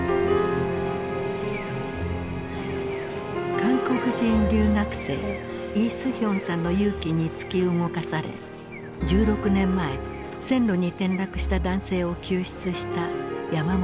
韓国人留学生イ・スヒョンさんの勇気に突き動かされ１６年前線路に転落した男性を救出した山本勲さん。